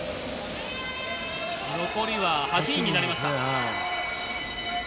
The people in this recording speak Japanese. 残りは８人になりました。